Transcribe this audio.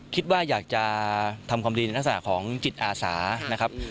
คิดว่าอยากจะทำความดีในลักษณะของจิตอาสานะครับ